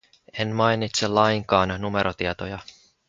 En mainitse lainkaan numerotietoja.